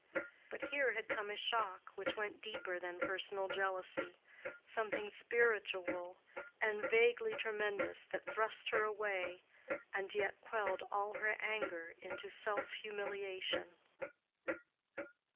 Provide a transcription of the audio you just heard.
But here had come a shock which went deeper than personal jealousy—something spiritual and vaguely tremendous that thrust her away, and yet quelled all her anger into self humiliation.